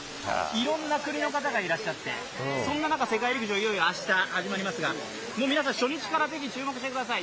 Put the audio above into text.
いろんな国の方がいらっしゃってそんな中、世界陸上いよいよ明日始まりますが、皆さん初日から是非注目してください。